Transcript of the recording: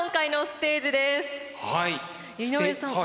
井上さん